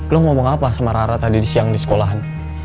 lo ngomong apa sama rara tadi siang di sekolahan